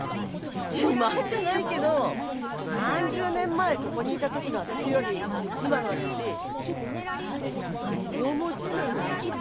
自慢じゃないけど３０年前ここにいた時の私より今の私物持ちなのよ。